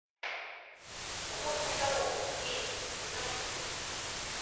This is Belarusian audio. У добрую дарогу, дзеці, юнакі!